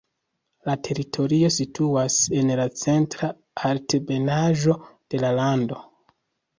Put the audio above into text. La teritorio situas en la centra altebenaĵo de la lando.